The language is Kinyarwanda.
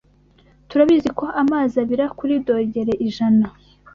Turabizi ko amazi abira kuri dogere IJANA .